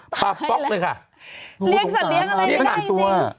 ปลาป๊อกเลยค่ะ